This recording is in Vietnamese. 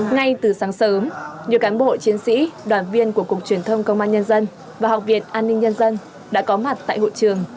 ngay từ sáng sớm nhiều cán bộ chiến sĩ đoàn viên của cục truyền thông công an nhân dân và học viện an ninh nhân dân đã có mặt tại hội trường